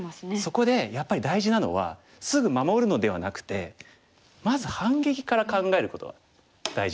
そこでやっぱり大事なのはすぐ守るのではなくてまず反撃から考えることが大事なんですよね。